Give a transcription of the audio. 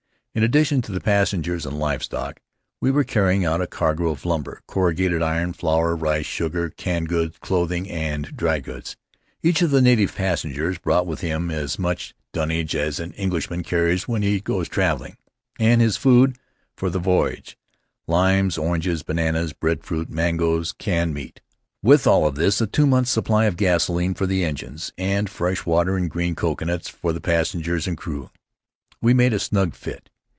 In addition to the passengers and live stock, we were carrying out a cargo of lumber, corrugated iron, flour, rice, sugar, canned goods, clothing, and dry goods. Each of the native passengers brought with him as much dunnage as an Englishman carries when he goes traveling, and his food for the voyage —— limes, oranges, bananas, breadfruit, mangoes, canned meat. With all of this, a two months' supply of gasoline for the engines, and fresh water and green coconuts for both passengers and crew, we made a snug fit.